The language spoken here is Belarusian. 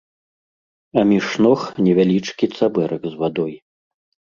А між ног невялічкі цабэрак з вадой.